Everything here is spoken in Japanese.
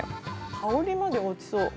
香りまでごちそう。